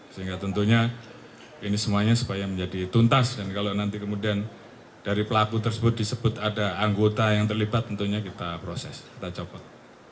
sehingga tentunya ini semuanya supaya menjadi tuntas dan kalau nanti kemudian dari pelaku tersebut disebut ada anggota yang terlibat tentunya kita proses kita copot